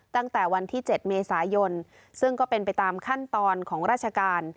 ตั้งแต่วันที่๗เมษายนซึ่งก็เป็นไปตามขั้นตอนของราชการ